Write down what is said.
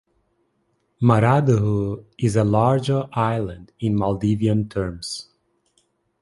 Maradhoo is a larger island in Maldivian terms.